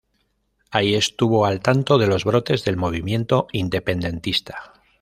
Ahí estuvo al tanto de los brotes del movimiento independentista.